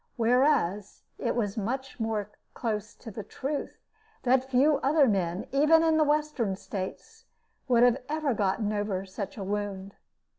Whereas, it was much more near the truth that few other men, even in the Western States, would ever have got over such a wound.